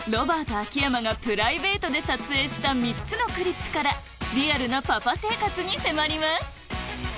秋山がプライベートで撮影した３つのクリップからリアルなパパ生活に迫ります